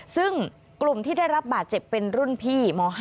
ซึ่งกลุ่มที่ได้รับบาดเจ็บเป็นรุ่นพี่ม๕